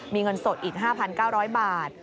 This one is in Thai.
มีเงินสดอีก๕๙๐๐บาท